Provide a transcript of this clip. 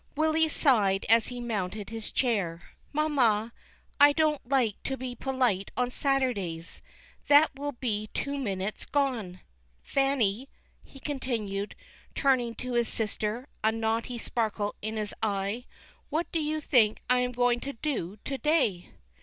Willy sighed as he mounted his chair. "Mamma, I don't like to be polite on Saturdays; that will be two whole minutes gone. Fanny," he continued, turn ing to his sister, a naughty sparkle in his eye, "what do you think I am going to do to day